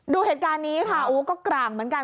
ดูเหตุการณ์นี้ค่ะโอ้ก็กร่างเหมือนกัน